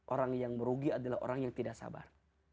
orang yang merugi adalah orang yang tidak sabar